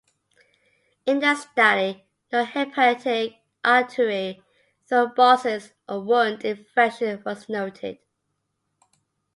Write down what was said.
In their study, no hepatic artery thrombosis or wound infection was noted.